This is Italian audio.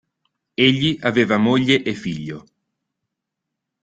Egli aveva moglie e figlio.